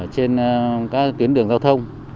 trên các tuyến đường giao thông